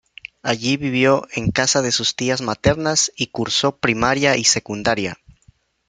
Allí vivió en casa de sus tías maternas y cursó primaria y secundaria.